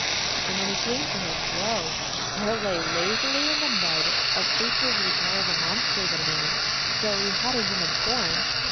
And when he came to him, lo, there lay lazily in the mud a creature who was more of a monster than a man, though he had a human form.